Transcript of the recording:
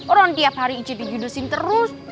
orang tiap hari icek dijudesin terus